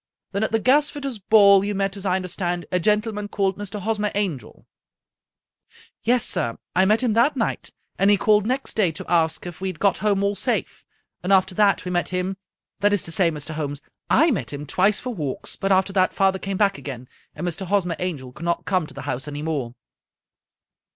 Then at the gasfitters' ball you met, as I under stand, a gentleman called Mr. Hosmer Angel?" " Yes, sir. I met him that night, and he called next day to ask if we had got home all safe, and after that we met him — that is to say, Mr. Holmes, I met him twice for walks, 47 Scotch Mystery Stories but after that father came back again, and Mr. Hosmer Angel could not come to the house any more."